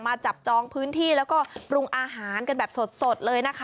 จับจองพื้นที่แล้วก็ปรุงอาหารกันแบบสดเลยนะคะ